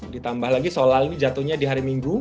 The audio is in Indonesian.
ditambah lagi sholal ini jatuhnya di hari minggu